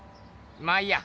まあいいや。